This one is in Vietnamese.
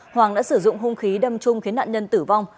hoàng đã sử dụng hung khí đâm chung khiến nạn nhân tử vong